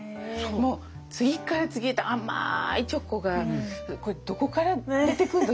もう次から次へと甘いチョコがこれどこから出てくるの？